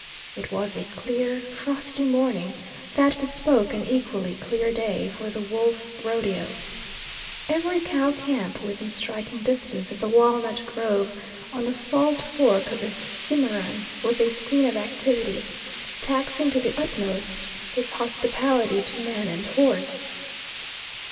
It was a clear, frosty morning that bespoke an equally clear day for the wolf rodeo. Every cow camp within striking distance of the Walnut Grove, on the Salt Fork of the Cimarron, was a scene of activity, taxing to the utmost its hospitality to man and horse.